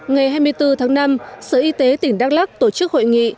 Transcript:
ngày hai mươi bốn tháng năm sở y tế tỉnh đắk lắc tổ chức hội nghị